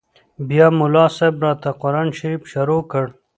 بيا ملا صاحب راته قران شريف شروع کړ.